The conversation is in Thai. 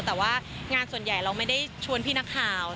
แต่ว่างานส่วนใหญ่เราไม่ได้ชวนพี่นักข่าว